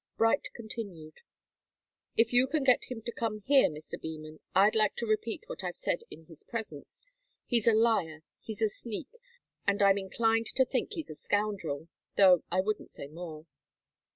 Bright continued. "If you can get him to come here, Mr. Beman, I'd like to repeat what I've said in his presence. He's a liar, he's a sneak, and I'm inclined to think he's a scoundrel, though I wouldn't say more."